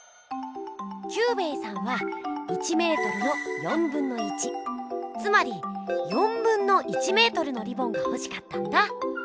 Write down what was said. キュウベイさんは１メートルの1/4つまり1/4メートルのリボンがほしかったんだ。